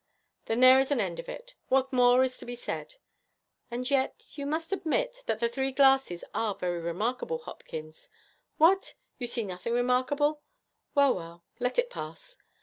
'Then there is an end of it. What more is to be said? And yet, you must admit, that the three glasses are very remarkable, Hopkins. What? You see nothing remarkable? Well, well, let it pass.